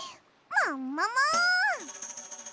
ももも！